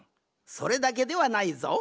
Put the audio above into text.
それだけではないぞ。